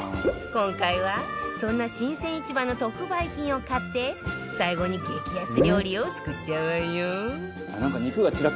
今回はそんな新鮮市場の特売品を買って最後に激安料理を作っちゃうわよ